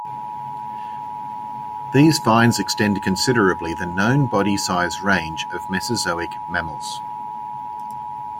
These finds extend considerably the known body size range of Mesozoic mammals.